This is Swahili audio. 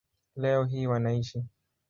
Leo hii wanaishi